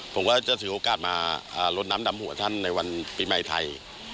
ผมก็จะถือโอกาสมาลดน้ำดำหัวท่านในวันปีใหม่ไทย